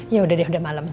ya udah deh udah malam